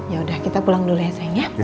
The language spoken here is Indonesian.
yaudah kita pulang dulu ya sayang ya